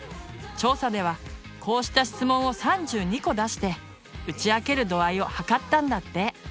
調査ではこうした質問を３２個出して打ち明ける度合いをはかったんだって。